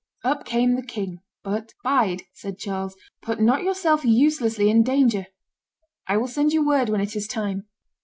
Up came the king; but, "Bide," said Charles; "put not yourself uselessly in danger; I will send you word when it is time."